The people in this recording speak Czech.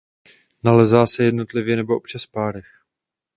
Nalézá se jednotlivě nebo občas v párech.